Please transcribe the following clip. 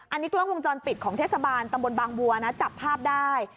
อันนี้กล้องวงจรปิดของเทศบาลตำบลบางบัวนะจับภาพได้